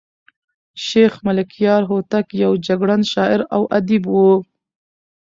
شېخ ملکیار هوتک یو جګړن شاعر او ادیب وو.